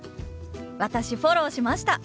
私フォローしました。